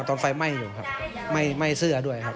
ตอนไฟไหม้อยู่ครับไหม้เสื้อด้วยครับ